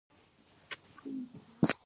ایا زه باید له مور او پلار لرې اوسم؟